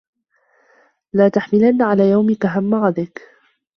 لَا تَحْمِلَنَّ عَلَى يَوْمِك هَمَّ غَدِك